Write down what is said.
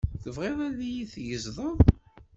Tebɣiḍ ad yi-teggzeḍ?